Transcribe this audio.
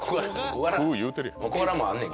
小柄もあんねんけど。